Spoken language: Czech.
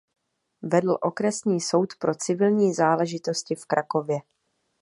Vedl okresní soud pro civilní záležitosti v Krakově.